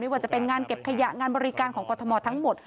ว่าจะเป็นงานเก็บขยะงานบริการของกรทมทั้งหมด